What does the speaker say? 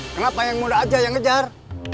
kenapa yang muda aja yang ngejar